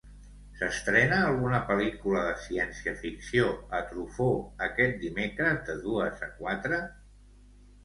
S'estrena alguna pel·lícula de ciència-ficció a Truffaut aquest dimecres de dues a quatre?